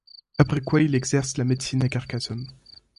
Après quoi il exerce la médecine à Carcassone.